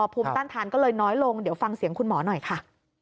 ภูมิต้านทานก็เลยน้อยลงเดี๋ยวฟังเสียงคุณหมอหน่อยค่ะ